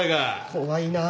怖いなぁ。